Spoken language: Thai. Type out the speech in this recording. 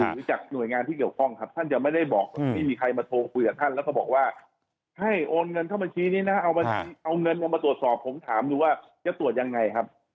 หรือจากหน่วยงานที่เกี่ยวข้องครับท่านยังไม่ได้บอกไม่มีใครมาโทรคุยกับท่านแล้วก็บอกว่าให้โอนเงินเข้าบัญชีนี้นะเอาเงินลงมาตรวจสอบผมถามดูว่าจะตรวจยังไงครับ